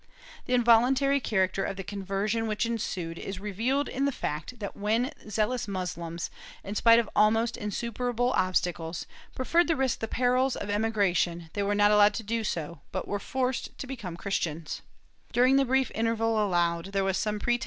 ^ The voluntary character of the conversion which ensued is revealed in the fact that when zealous Moslems, in spite of almost insuperable obstacles, preferred to risk the perils of emigration they were not allowed to do so, but were forced to become Chris tians.